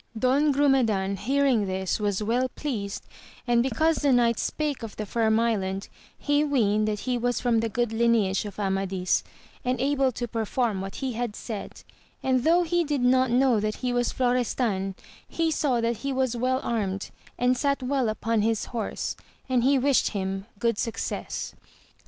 Don Grumedan hearing this was well pleased, and because the knight spake of the Firm Island he weened that he was of the good lineage of Amadis, and able to perform what he had said ; and though he did not know that he was Florestan, he saw that he was well armed, and sat well upon his horse, and he wished him good success.